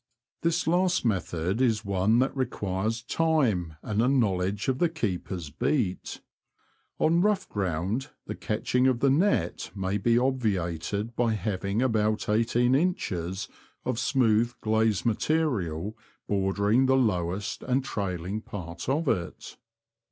This last method is one that re quires time and a knowledge of the keeper's beat. On rough ground the catching of the net may be obviated by having about eighteen' The Confessions of a T^oacher. 51 inches of smooth glazed material bordering the lowest and trailing part of it.